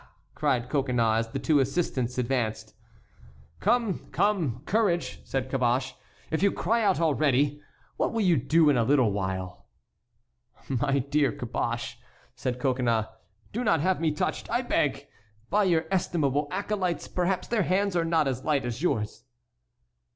cried Coconnas, as the two assistants advanced. "Come! come! Courage," said Caboche, "if you cry out already, what will you do in a little while?" "My dear Caboche," said Coconnas, "do not have me touched, I beg, by your estimable acolytes; perhaps their hands are not as light as yours."